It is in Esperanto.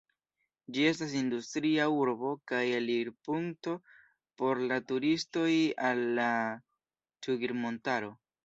Ĝi estas industria urbo kaj elirpunkto por la turistoj al la Cugir-montaro.